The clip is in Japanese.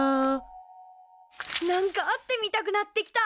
なんか会ってみたくなってきた。